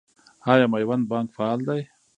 آیا میوند بانک فعال دی؟